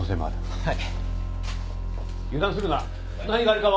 ・はい。